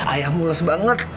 ayah mulas banget